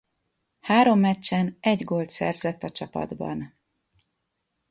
Három meccsen egy gólt szerzett a csapatban.